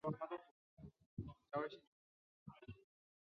埃斯蒂尔县是一个禁酒县。